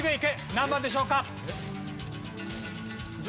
何番でしょうか？